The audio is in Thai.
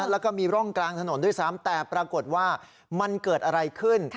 แล้วก็มีร่องกลางถนนด้วยซ้ำแต่ปรากฏว่ามันเกิดอะไรขึ้น